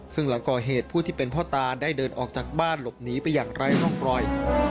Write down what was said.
ซึ่งหลังก่อเหตุผู้ที่เป็นพ่อตาได้เดินออกจากบ้านหลบหนีไปอย่างไร้ร่องรอย